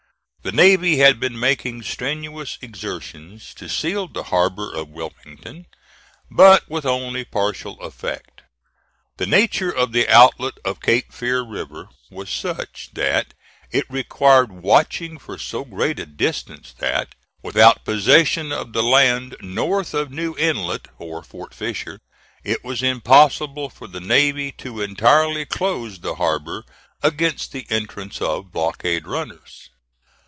The navy had been making strenuous exertions to seal the harbor of Wilmington, but with only partial effect. The nature of the outlet of Cape Fear River was such, that it required watching for so great a distance that, without possession of the land north of New Inlet, or Fort Fisher, it was impossible for the navy to entirely close the harbor against the entrance of blockade runners.